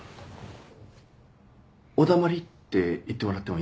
「お黙り」って言ってもらってもいいですか？